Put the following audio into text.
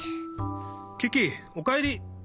キキおかえり！